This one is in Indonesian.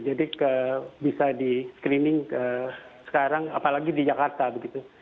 jadi bisa di screening sekarang apalagi di jakarta begitu